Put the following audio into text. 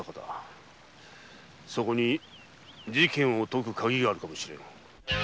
そこに事件を解くカギがあるかもしれん。